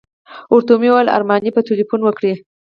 ورته ومې ویل ارماني به تیلفون وکړي.